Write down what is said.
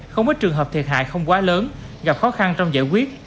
không ít trường hợp thiệt hại không quá lớn gặp khó khăn trong giải quyết